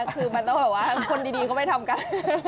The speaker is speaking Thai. คือมันต้องแบบว่าคนดีก็ไม่ทำกัน